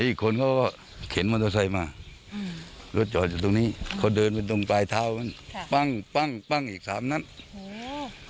อีกคนเขาก็เข็นมอเตอร์ไซค์มาอืมรถจอดอยู่ตรงนี้เขาเดินไปตรงปลายเท้ามันค่ะปั้งปั้งปั้งอีกสามนัดโอ้โห